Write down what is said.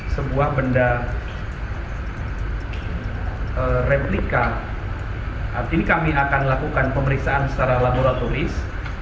sebuah benda replika ini kami akan lakukan pemeriksaan secara laboratoris